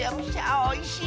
おいしい！